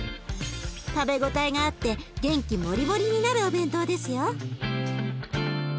食べ応えがあって元気もりもりになるお弁当ですよ。